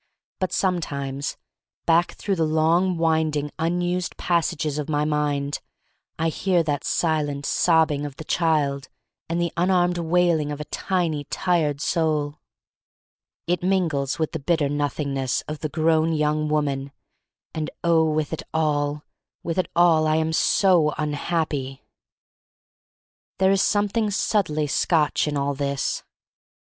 But sometimes back through the long, winding, unused pas sages of my mind I hear that silent sob bing of the child and the unarmed wailing of a tiny, tired souL It mingles with the bitter Nothing ness of the grown young woman, and oh, with it all — with it all I air so un happy! There is something subtly Scotch in all this.